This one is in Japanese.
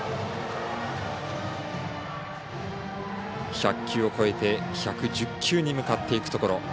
１００球を超えて１１０球に向かっていくところ。